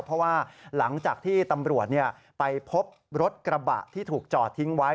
เพราะว่าหลังจากที่ตำรวจไปพบรถกระบะที่ถูกจอดทิ้งไว้